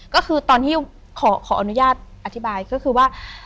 ก็คือตอนที่ขออนุญาตอธิบายก็คือว่า